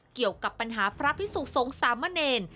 เกี่ยวกับปัญหาพระพิสุขสงสามเณร